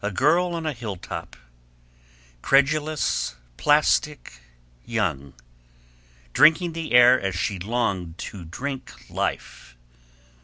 A girl on a hilltop; credulous, plastic, young; drinking the air as she longed to drink life.